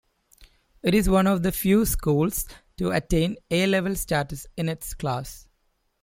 It is one of the few schools to attain A-Level status in its class.